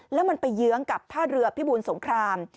แล้วมันไปเยื้องกับท่าเรือพิบูลสงคราม